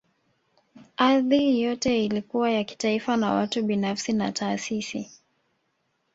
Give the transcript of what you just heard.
Ardhi yote ilikuwa ya kitaifa na watu binafsi na taasisi